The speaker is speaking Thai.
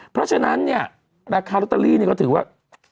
เพราะฉะนั้นเนี่ยราคาลอตเตอรี่ก็ถือว่า